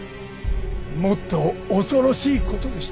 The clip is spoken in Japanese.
もっと恐ろしい事でした。